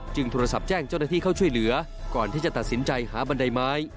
โทรศัพท์แจ้งเจ้าหน้าที่เข้าช่วยเหลือก่อนที่จะตัดสินใจหาบันไดไม้